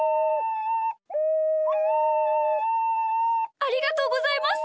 ありがとうございます！